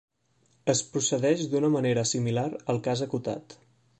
Es procedeix d'una manera similar al cas acotat.